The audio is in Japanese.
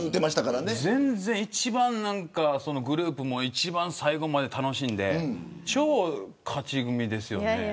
全然一番グループも一番最後まで楽しんで超勝ち組ですよね。